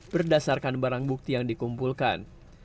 berdasarkan barang bukti yang dikumpulkan